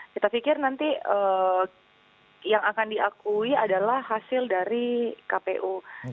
kita pikir nanti yang akan diakui adalah hasil dari kpu